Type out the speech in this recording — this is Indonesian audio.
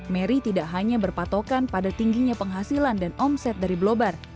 mary tidak hanya berpatokan pada tingginya penghasilan dan omset dari blobar